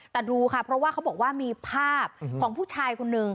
แต่ดูค่ะเพราะว่าเขาบอกว่ามีภาพของผู้ชายคนนึง